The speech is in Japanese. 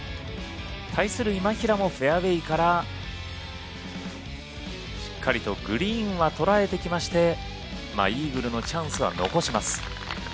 対する今平もフェアウエーからしっかりとグリーンは捉えてきましてイーグルのチャンスは残します。